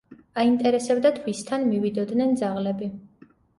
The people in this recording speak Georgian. აინტერესებდათ, ვისთან მივიდოდნენ ძაღლები.